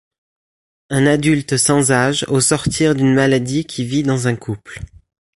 Un adulte sans âge, au sortir d'une maladie qui vit dans un couple.